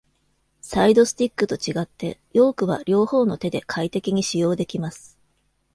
サイドスティックと違って、ヨークは両方の手で快適に使用できます。